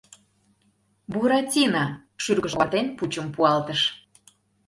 Буратино, шӱргыжым овартен, пучым пуалтыш: